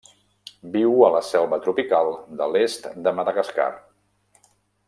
Viu a la selva tropical de l'est de Madagascar.